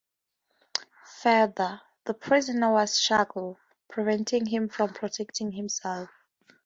Further, the prisoner was shackled, preventing him from protecting himself.